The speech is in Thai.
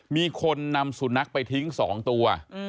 มีคนนำสุนัขไปทิ้ง๒ตัว